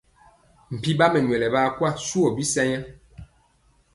Mpi ɓa mɛnyɔlɔ ɓaa kwa swa bi sanya.